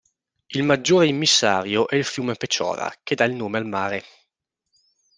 Il maggiore immissario è il fiume Pečora che dà il nome al mare.